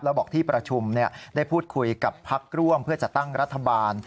แล้วบอกที่ประชุมได้พูดคุยกับพักร่วมเพื่อจัดตั้งรัฐบาล